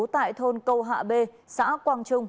tại thôn câu hạ b xã quang trung